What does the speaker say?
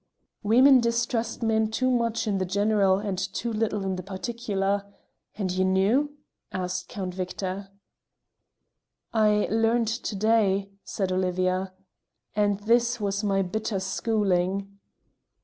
"Women distrust men too much in the general and too little in particular. And you knew?" asked Count Victor. . "I learned to day," said Olivia, "and this was my bitter schooling."